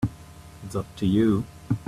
It's up to you.